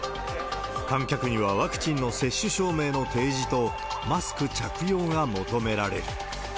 観客にはワクチンの接種証明の提示と、マスク着用が求められる。